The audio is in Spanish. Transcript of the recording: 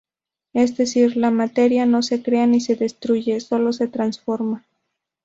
Es decir: la materia no se crea, ni se destruye, solo se transforma.